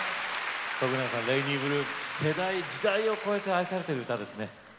永さん「レイニーブルー」世代時代を超えて愛されてる歌ですね。